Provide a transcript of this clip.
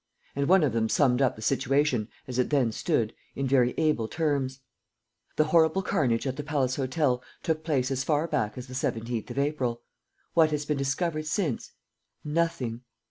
And one of them summed up the situation, as it then stood, in very able terms: "The horrible carnage at the Palace Hotel took place as far back as the 17th of April. What has been discovered since? Nothing.